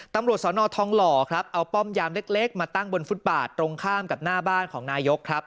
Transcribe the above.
ตำรวจสนทองหล่อครับเอาป้อมยามเล็กมาตั้งบนฟุตบาทตรงข้ามกับหน้าบ้านของนายกครับ